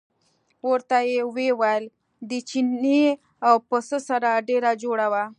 ورته ویې ویل د چیني او پسه سره ډېره جوړه وه.